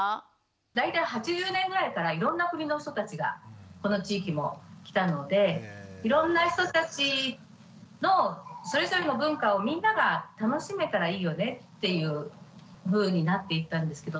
大体８０年ぐらいからいろんな国の人たちがこの地域も来たのでいろんな人たちのそれぞれの文化をみんなが楽しめたらいいよねっていうふうになっていったんですけど。